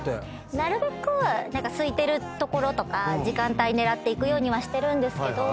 なるべくすいてる所とか時間帯狙って行くようにはしてるんですけど。